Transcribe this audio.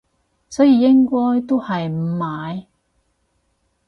所以應該都係唔買